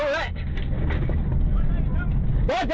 แม่ง